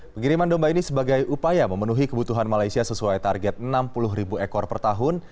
pengiriman domba ini sebagai upaya memenuhi kebutuhan malaysia sesuai target enam puluh ribu ekor per tahun